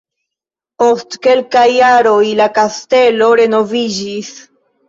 Post kelkaj jaroj la kastelo renoviĝis.